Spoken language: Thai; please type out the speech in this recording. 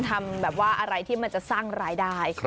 ทำแบบว่าอะไรที่มันจะสร้างรายได้